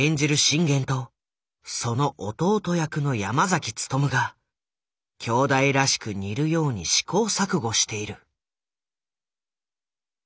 信玄とその弟役の山崎努が兄弟らしく似るように試行錯誤している。